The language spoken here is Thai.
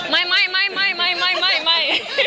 ไม่